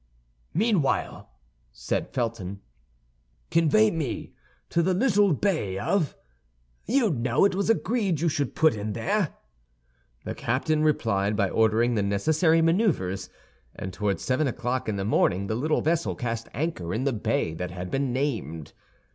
"Meanwhile," said Felton, "convey me to the little bay of—; you know it was agreed you should put in there." The captain replied by ordering the necessary maneuvers, and toward seven o'clock in the morning the little vessel cast anchor in the bay that had been named.